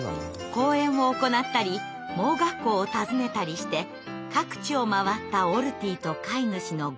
講演を行ったり盲学校を訪ねたりして各地を回ったオルティと飼い主のゴルドン。